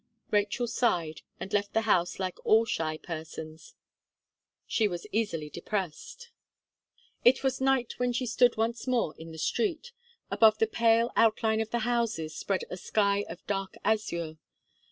Rachel sighed and left the house like all shy persons, she was easily depressed. It was night when she stood once more in the street. Above the pale outline of the houses spread a sky of dark azure.